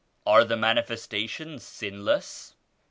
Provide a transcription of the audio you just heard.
"Are the Manifestations sinless?"